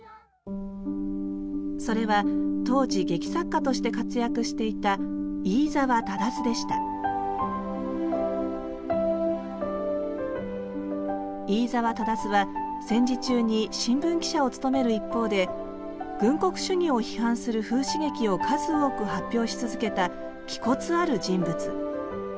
それは当時劇作家として活躍していた飯沢匡は戦時中に新聞記者を務める一方で軍国主義を批判する風刺劇を数多く発表し続けた気骨ある人物。